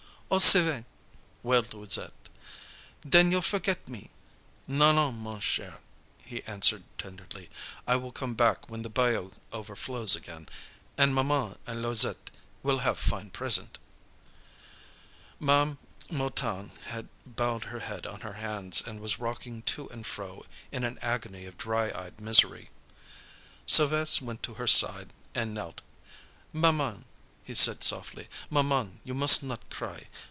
"Oh, Sylves'," wailed Louisette, "den you'll forget me!" "Non, non, ma chere," he answered tenderly. "I will come back when the bayou overflows again, an' maman an' Louisette will have fine present." Ma'am Mouton had bowed her head on her hands, and was rocking to and fro in an agony of dry eyed misery. Sylves' went to her side and knelt. "Maman," he said softly, "maman, you mus' not cry.